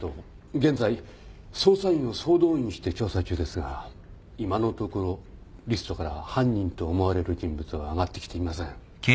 現在捜査員を総動員して調査中ですが今のところリストからは犯人と思われる人物は挙がってきていません。